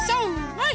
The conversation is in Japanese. はい！